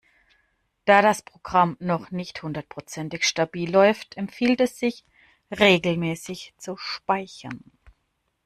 Da das Programm noch nicht hundertprozentig stabil läuft, empfiehlt es sich, regelmäßig zu speichern.